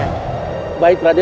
apa yang sebenarnya terjadi